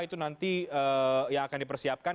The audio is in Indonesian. itu nanti yang akan dipersiapkan